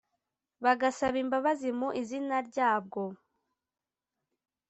bagasaba imbabazi mu izina ryabwo